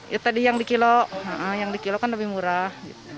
ya tadi yang di kilo yang di kilo kan lebih murah